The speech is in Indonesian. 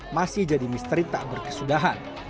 masih jadi misteri tak berkesudahan